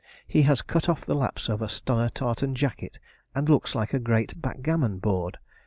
He has cut off the laps of a stunner tartan jacket, and looks like a great backgammon board.